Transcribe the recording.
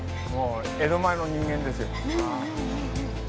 江戸前の人間ですよ。